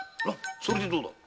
それでどうだ？